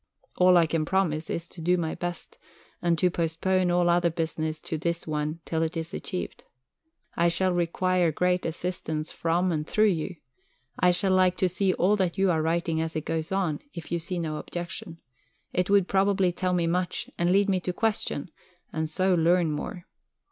All I can promise is to do my best, and to postpone all other business to this one object till it is achieved. I shall require great assistance from and thro' you. I shall like to see all that you are writing as it goes on, if you see no objection. It would probably tell me much, and lead me to question, and so learn more."